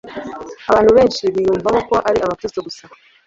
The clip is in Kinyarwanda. Abantu-- benshi biyumvamo ko ari abakristo gusa,